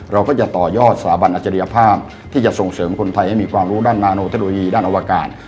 เราก็จะต่อยอดสถาบันอัจฉริยภาพที่จะส่งเสริมคนไทยให้มีความรู้ด้านนาโนเทคโนโลยีด้านอวกาศ